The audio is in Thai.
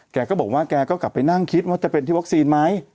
แกก็บอกว่าแกก็กลับไปนั่งคิดว่าจะเป็นที่วัคซีนไหม